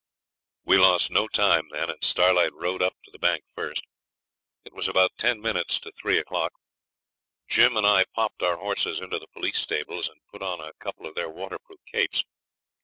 We lost no time then, and Starlight rode up to the bank first. It was about ten minutes to three o'clock. Jim and I popped our horses into the police stables, and put on a couple of their waterproof capes.